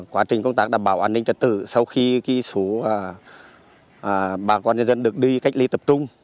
quá trình công tác đảm bảo an ninh trật tự sau khi số bà con nhân dân được đi cách ly tập trung